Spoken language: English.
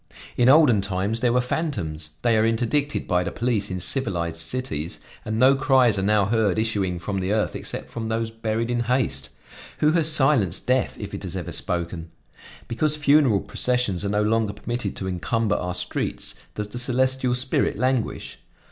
In olden times there were fantoms; they are interdicted by the police in civilized cities and no cries are now heard issuing from the earth except from those buried in haste. Who has silenced death if it has ever spoken? Because funeral processions are no longer permitted to encumber our streets, does the celestial spirit languish?